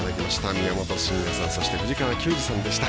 宮本慎也さんそして藤川球児さんでした。